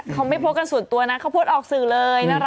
เขาไม่โพสต์กันส่วนตัวนะเขาพูดออกสื่อเลย